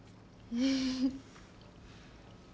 うん。